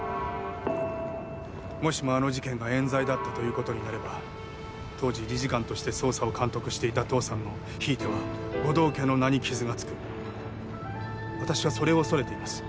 もしもあの事件がえん罪だったということになれば当時理事官として捜査を監督していた父さんのひいては護道家の名に傷がつく私はそれを恐れています